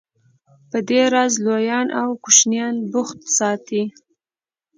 په دې راز لویان او کوشنیان بوخت ساتي.